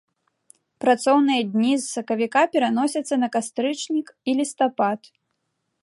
Працоўныя дні з сакавіка пераносяцца на кастрычнік і лістапад.